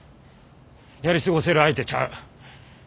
やり過ごせる相手ちゃう。